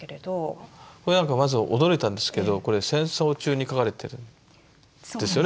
これなんかまず驚いたんですけどこれ戦争中に描かれてる。ですよね？